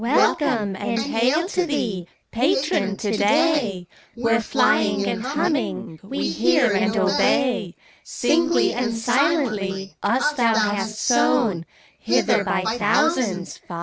Welcome, and hail to thee ! Patron, to day: We're fljdng and humming, We hear and obey. Singly and silently Us thou hast sown; Hither, by thousands.